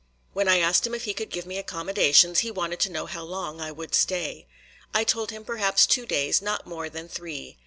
When I asked him if he could give me accommodations, he wanted to know how long I would stay. I told him perhaps two days, not more than three.